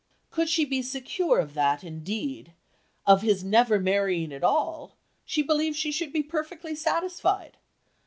"Could she be secure of that, indeed, of his never marrying at all, she believed she should be perfectly satisfied.